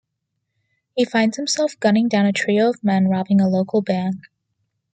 He finds himself gunning down a trio of men robbing a local bank.